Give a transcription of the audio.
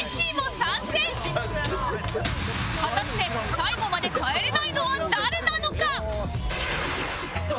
果たして最後まで帰れないのは誰なのか？